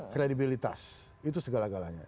kredibilitas itu segala galanya